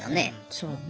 そうね。